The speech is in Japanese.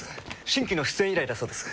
新規の出演依頼だそうです。